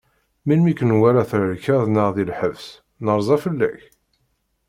Melmi i k-nwala thelkeḍ neɣ di lḥebs, nerza fell-ak?